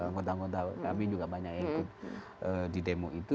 anggota anggota kami juga banyak yang ikut di demo itu